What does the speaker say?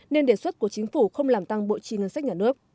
nên đề xuất của chính phủ không làm tăng bộ trì ngân sách nhà nước